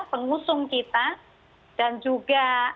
pengusung kita dan juga